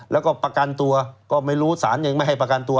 แล้วก็ประกันตัวก็ไม่รู้สารยังไม่ให้ประกันตัว